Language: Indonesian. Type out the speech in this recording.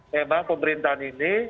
memang pemerintahan ini